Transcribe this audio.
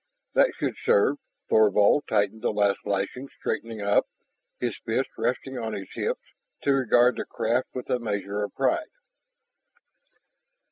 "That should serve." Thorvald tightened the last lashing, straightening up, his fists resting on his hips, to regard the craft with a measure of pride.